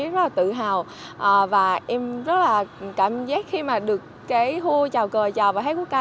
em cảm giác rất là tự hào và em rất là cảm giác khi mà được cái hô chào cờ chào vào hết quốc ca